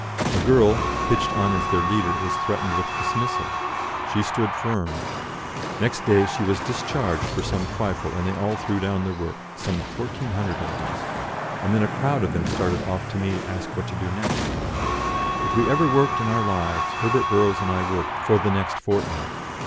A girl, pitched on as their leader, was threatened with dismissal; she stood firm; next day she was discharged for some trifle, and they all threw down their work, some 1,400 of them, and then a crowd of them started off to me to ask what to do next. If we ever worked in our lives, Herbert Burrows and I worked for the next fortnight.